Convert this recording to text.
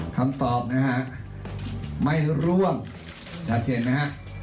คำตอบนะฮะไม่ร่วมชัดเจนไหมฮะ